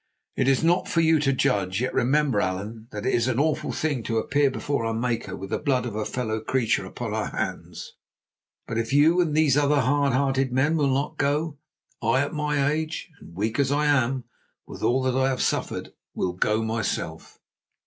"It is for you to judge, yet remember, Allan, that it is an awful thing to appear before our Maker with the blood of a fellow creature upon our hands. But if you and these other hard hearted men will not go, I at my age, and weak as I am with all that I have suffered, will go myself."